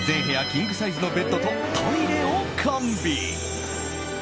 キングサイズのベッドとトイレを完備。